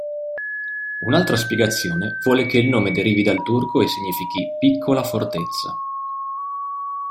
Un'altra spiegazione vuole che il nome derivi dal turco e significhi "piccola fortezza".